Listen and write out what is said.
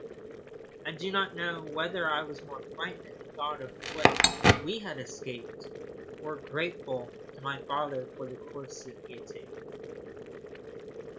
I do not know whether I was more frightened at the thought of what we had escaped or grateful to my father for the course he had taken.